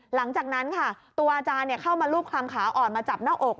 หลังจากนั้นค่ะตัวอาจารย์เข้ามารูปคลำขาอ่อนมาจับหน้าอก